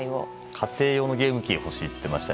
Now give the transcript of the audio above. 家庭用のゲーム機が欲しいって言っていました。